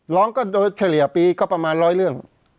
ร้องก็โดยเฉลี่ยปีก็ประมาณร้อยเรื่อง